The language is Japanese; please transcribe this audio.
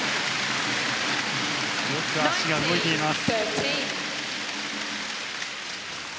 よく足が動いています。